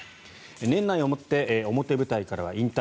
年内をもって表舞台からは引退。